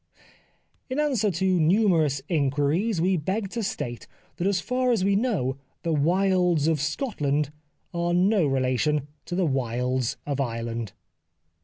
" In answer to numerous inquiries we beg to state that as far as we know the Wilds of Scot land are no relation to the Wildes of Ireland.